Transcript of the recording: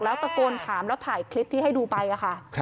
แล้วตะโกนถามแล้วถ่ายคลิปที่ให้ดูไปค่ะ